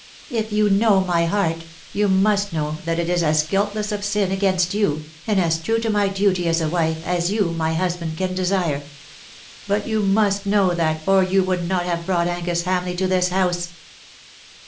" If you know my heart you must know that it is as guiltless of sin against you, and as true to my duty as a wife, as you, my husband, can desire. But you must know that, or you would not have brought Angus Hamleigh to this house."